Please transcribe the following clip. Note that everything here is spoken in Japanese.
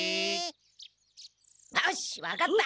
よしわかった！